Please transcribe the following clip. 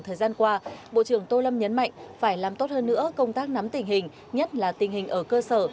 thời gian qua bộ trưởng tô lâm nhấn mạnh phải làm tốt hơn nữa công tác nắm tình hình nhất là tình hình ở cơ sở